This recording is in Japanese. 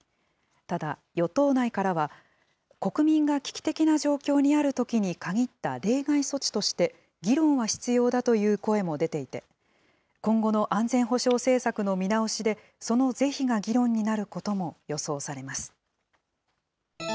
ただ、与党内からは、国民が危機的な状況にあるときにかぎった例外措置として、議論は必要だという声も出ていて、今後の安全保障政策の見直しで、その是非が議論になることも予想されます。